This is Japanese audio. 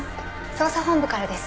捜査本部からです。